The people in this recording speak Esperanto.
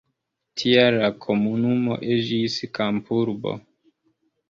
Tial la komunumo iĝis kampurbo.